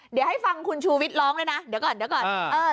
เดี๋ยวให้ฟังคุณชูวิทย์ร้องด้วยนะเดี๋ยวก่อนเดี๋ยวก่อน